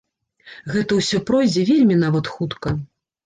Гэта ўсё пройдзе вельмі нават хутка.